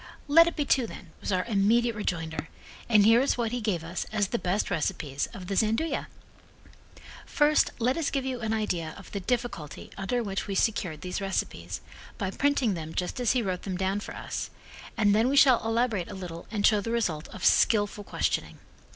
"Let it be two, then," was our immediate rejoinder, and here is what he gave us as the best recipes of the Gianduja. First, let us give you an idea of the difficulty under which we secured these recipes by printing them just as he wrote them down for us, and then we shall elaborate a little and show the result of skillful questioning.